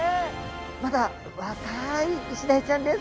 まだ若いイシダイちゃんです。